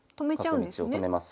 角道を止めます。